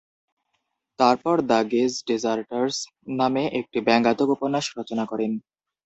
তিনি The Gay Deserters নামে একটি ব্যঙ্গাত্মক উপন্যাস রচনা করেন।